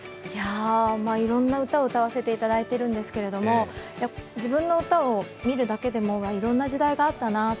いろんな歌を歌わせていただいてるんですけど、自分の歌を見るだけでもいろんな時代があったなって。